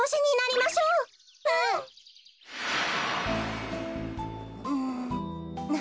うん。